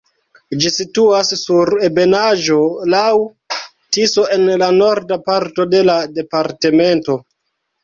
Ĝi situas sur ebenaĵo laŭ Tiso en la norda parto de la departemento.